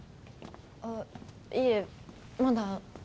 あっいえまだ。